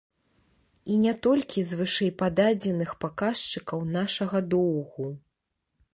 І не толькі з вышэйпададзеных паказчыкаў нашага доўгу.